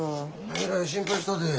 えらい心配したで。